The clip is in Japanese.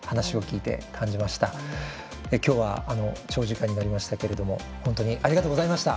今日は長時間になりましたけれども本当にありがとうございました。